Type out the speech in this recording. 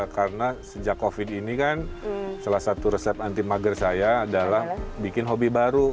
karena sejak covid ini kan salah satu resep anti mager saya adalah bikin hobi baru